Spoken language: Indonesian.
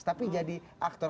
tapi jadi aktor